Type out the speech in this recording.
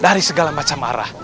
dari segala macam arah